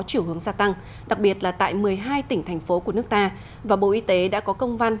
chiều hướng gia tăng đặc biệt là tại một mươi hai tỉnh thành phố của nước ta và bộ y tế đã có công văn